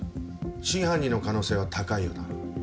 真犯人の可能性は高いよな。